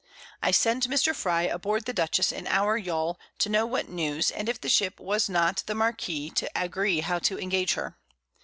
I sent Mr. Frye aboard the Dutchess in our Yawl, to know what News, and if the Ship was not the Marquiss, to agree how to engage her.